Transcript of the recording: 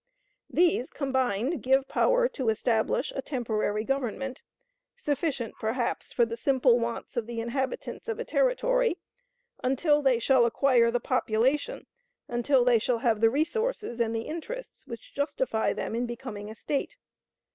These, combined, give power to establish a temporary government, sufficient, perhaps, for the simple wants of the inhabitants of a Territory, until they shall acquire the population, until they shall have the resources and the interests which justify them in becoming a State.